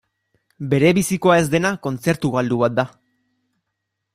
Berebizikoa ez dena kontzertu galdu bat da.